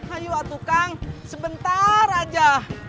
ayo atuh kang sebentar aja